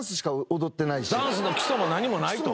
ダンスの基礎も何もないと。